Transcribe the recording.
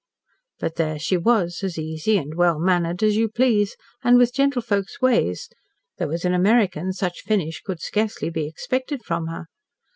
But there she was, as easy and well mannered as you please and with gentlefolks' ways, though, as an American, such finish could scarcely be expected from her.